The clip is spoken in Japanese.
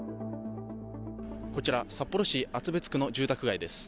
こちら札幌市厚別区の住宅街です。